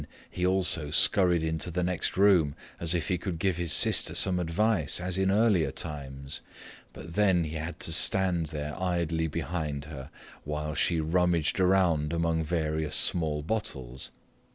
Then he also scurried into the next room, as if he could give his sister some advice, as in earlier times, but then he had to stand there idly behind her, while she rummaged about among various small bottles.